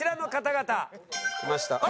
きました。